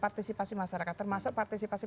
partisipasi masyarakat termasuk partisipasi